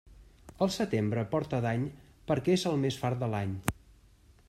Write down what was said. El setembre porta dany perquè és el més fart de l'any.